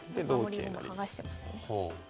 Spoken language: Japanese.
守り駒剥がしてますね。